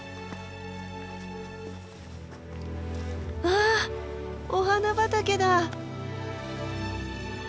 わあお花畑だ！